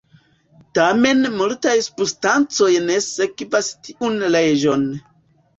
Tamen multaj substancoj ne sekvas tiun leĝon.